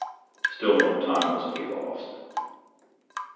Still, no time was to be lost.